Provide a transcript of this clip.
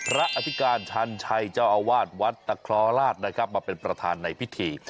อธิการชันชัยเจ้าอาวาสวัดตะคลอราชนะครับมาเป็นประธานในพิธี